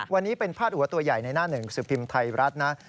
วันนี้เป็นพาดหัวตัวใหญ่ในหน้าหนึ่งสิบพิมพ์ไทยรัฐนะ